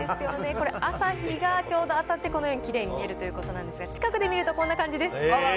これ朝日がちょうど当たって、このようにきれいに見えるということなんですが、近くで見るとこんな感じです。